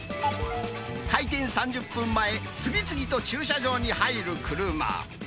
開店３０分前、次々と駐車場に入る車。